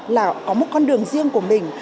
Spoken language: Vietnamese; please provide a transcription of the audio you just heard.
là có một con đường riêng của mình